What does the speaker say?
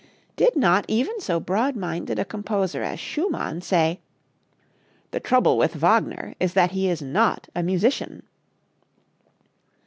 Did not even so broad minded a composer as Schumann say, "The trouble with Wagner is that he is not a musician"?